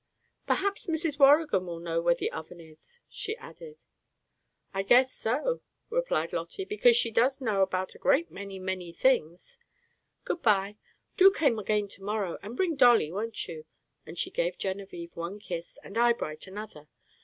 "Perhaps Mrs. Waurigan will know where the Oven is," she added. "I guess so," replied Lotty; "because she does know about a great many, many things. Good by! do come again to morrow, and bring Dolly, won't you?" and she gave Genevieve one kiss and Eyebright another.